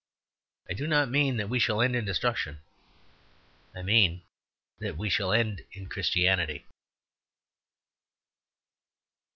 I do not mean that we shall end in destruction. I mean that we shall end in Christianity.